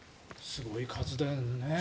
すごい数だよね。